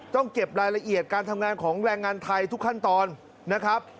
ต้องเก็บรายละเอียดการทำงานของแรงงานไทยทุกขั้นตอนนะครับ